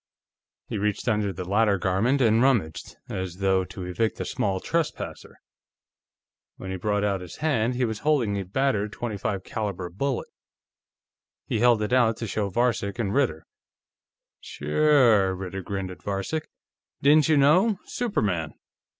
He reached under the latter garment and rummaged, as though to evict a small trespasser. When he brought out his hand, he was holding a battered .25 caliber bullet. He held it out to show to Varcek and Ritter. "Sure," Ritter grinned at Varcek. "Didn't you know? Superman."